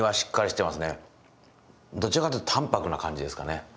どちらかというと淡泊な感じですかね。